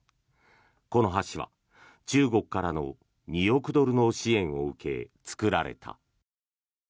この橋は中国からの２億ドルの支援を受け作られた。